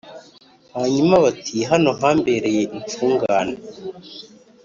Hanyuma bati hano hambereye imfungane